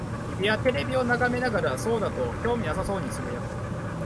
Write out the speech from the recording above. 君はテレビを眺めながら、そうだ、と興味なさそうに呟く。